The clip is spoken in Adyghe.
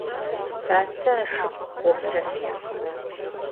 Tsatsa ışşıpxhu kofta fêxhe.